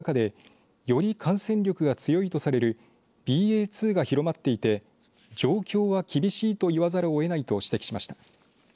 現役世代や子どもへのワクチン接種が進まない中でより感染力が強いとされるＢＡ．２が広まっていて状況は厳しいといわざるをえないと指摘しました。